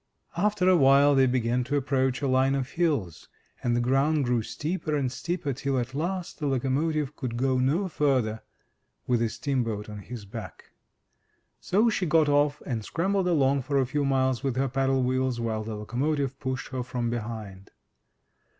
After awhile they began to approach a line of hills, and the ground grew steeper and steeper, till at last the locomotive could go no further with the steamboat on his back. So she got off and scrambled along for a few miles with her paddle wheels while the locomotive pushed her from behind.